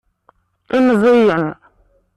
Imẓiyen.